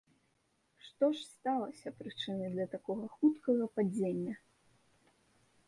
Што ж сталася прычынай для такога хуткага падзення?